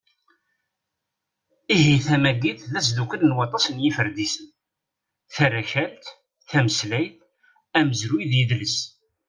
Ihi, tamagit d asddukel n waṭas n yiferdisen: tarakalt, tameslayt, amezruy d yedles.